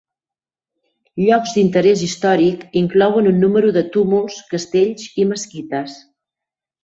Llocs d'interès històric inclouen un número de túmuls, castells i mesquites.